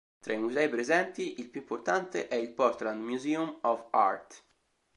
Tra i musei presenti, il più importante è il "Portland Museum of Art".